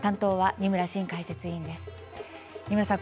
二村さん